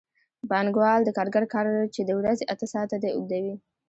پانګوال د کارګر کار چې د ورځې اته ساعته دی اوږدوي